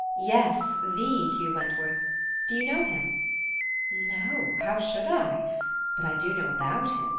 "Yes, the Hugh Wentworth. D'you know him?" "No. How should I? But I do know about him.